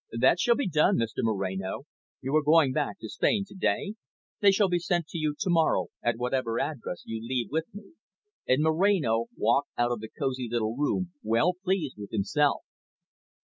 "That shall be done, Mr Moreno. You are going back to Spain to day. They shall be sent to you to morrow at whatever address you leave with me." And Moreno walked out of the cosy little room well pleased with himself.